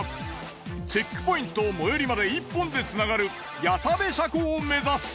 チェックポイント最寄りまで１本で繋がる谷田部車庫を目指す。